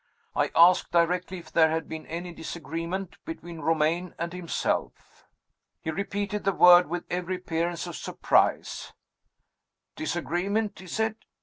I asked directly if there had been any disagreement between Romayne and himself. "He repeated the word with every appearance of surprise. 'Disagreement?' he said.